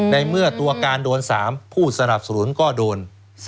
ในเมื่อตัวการโดน๓ผู้สนับสนุนก็โดน